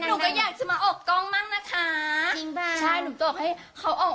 หนูก็อยากจะมาอบกล้องมั่งนะคะจริงเปล่าใช่หนูต้องออกให้เขาออก